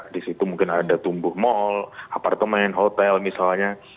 disitu mungkin ada tumbuh mall apartemen hotel misalnya